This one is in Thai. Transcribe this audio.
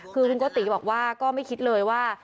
คือคุณโกติบอกว่าก็ไม่คิดเลยว่า